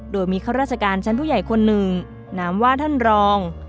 โดยมีข้าราชการชั้นผู้ใหญ่คนหนึ่งนามว่าท่านรอง